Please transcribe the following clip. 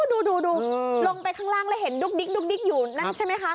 ดูลงไปข้างล่างแล้วเห็นดุ๊กดิ๊กอยู่นั่นใช่ไหมคะ